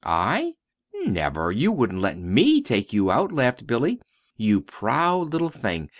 "I? Never! You wouldn't let me take you out," laughed Billy. "You proud little thing!